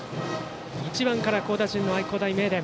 １番から好打順の愛工大名電。